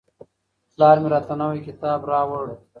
پلار مې راته نوی کتاب راوړ.